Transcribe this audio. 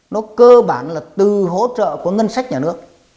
nó cơ bản là từ hỗ trợ của ngân sách nhà nước